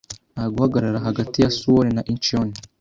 Nta guhagarara hagati ya Suwon na Incheon.